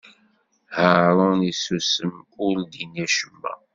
Haṛun issusem, ur d-inni acemma.